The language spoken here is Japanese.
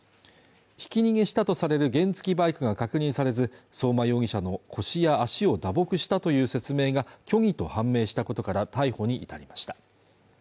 ひき逃げしたとされる原付きバイクが確認されず相馬容疑者の腰や足を打撲したという説明が虚偽と判明したことから逮捕に至りました